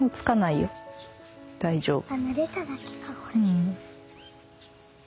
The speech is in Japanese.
ぬれただけかこれ。